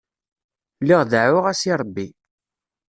Lliɣ deɛɛuɣ-as i Ṛebbi.